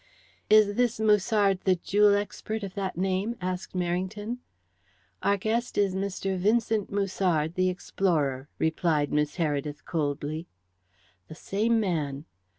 "Is this Musard the jewel expert of that name?" asked Merrington. "Our guest is Mr. Vincent Musard, the explorer," replied Miss Heredith coldly. "The same man."